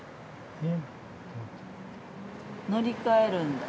乗り換えるんだ。